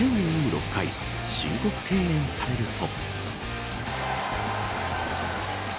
６回申告敬遠されると。